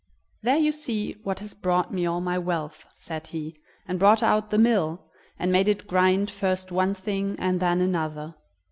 "There you see what has brought me all my wealth!" said he, and brought out the mill, and made it grind first one thing and then another.